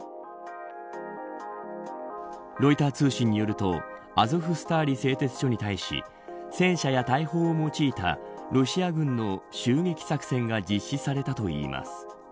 ロイター通信によるとアゾフスターリ製鉄所に対し戦車や大砲を用いたロシア軍の襲撃作戦が実施されたといいます。